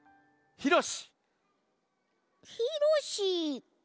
ひろし。